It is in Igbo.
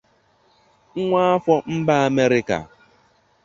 nwa afọ mba Amerịka.